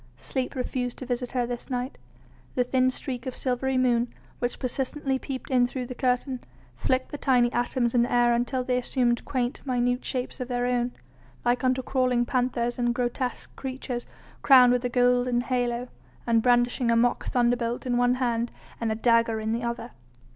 Sleep refused to visit her this night; the thin streak of silvery moon, which persistently peeped in through the curtain, flicked the tiny atoms in the air until they assumed quaint, minute shapes of their own, like unto crawling panthers and grotesque creatures crowned with a golden halo, and brandishing a mock thunderbolt in one hand and a dagger in the other.